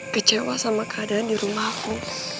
kecewa sama keadaan di rumah aku